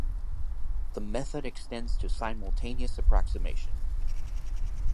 The method extends to simultaneous approximation.